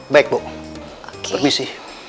baik bu permisi